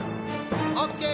オッケー！